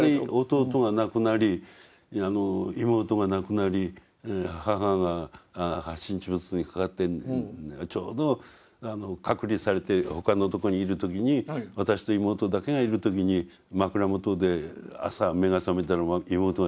弟が亡くなり妹が亡くなり母が発疹チブスにかかってちょうど隔離されて他のとこにいる時に私と妹だけがいる時に枕元で朝目が覚めたら妹が死んでたんですね。